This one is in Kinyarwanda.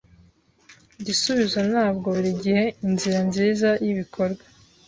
Igisubizo ntabwo buri gihe inzira nziza y'ibikorwa.